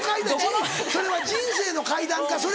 それは人生の階段か？